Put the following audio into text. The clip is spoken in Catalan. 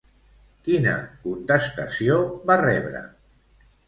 Quina contestació va rebre?